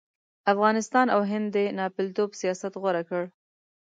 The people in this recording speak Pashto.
افغانستان او هند د ناپېلتوب سیاست غوره کړ.